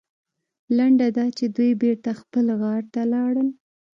لنډه دا چې دوی بېرته خپل غار ته لاړل.